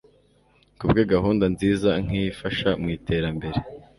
Ku bwe gahunda nziza nk'iyi ifasha mu iterambere